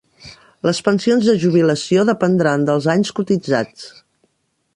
Les pensions de jubilació dependran dels anys cotitzats.